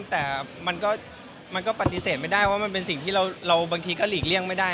แต่มันก็ปฏิเสธไม่ได้ว่ามันเป็นสิ่งที่เราบางทีก็หลีกเลี่ยงไม่ได้